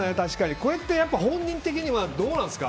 これって本人的にはどうなんですか？